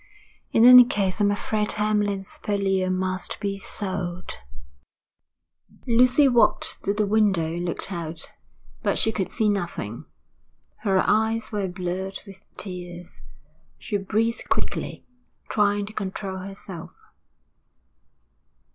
In any case, I'm afraid Hamlyn's Purlieu must be sold.' Lucy walked to the window and looked out. But she could see nothing. Her eyes were blurred with tears. She breathed quickly, trying to control herself.